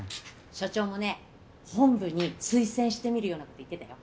社長もね本部に推薦してみるようなこと言ってたよ。